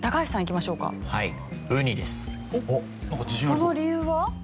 その理由は？